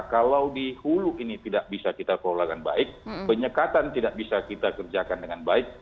kalau di hulu ini tidak bisa kita kelola dengan baik penyekatan tidak bisa kita kerjakan dengan baik